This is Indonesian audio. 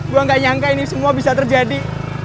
gue gak nyangka ini semua bisa terjadi